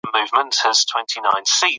که عملي درس دوام ولري، زیان را منځ ته کیږي.